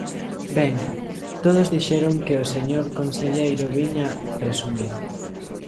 Ben, todos dixeron que o señor conselleiro viña presumir.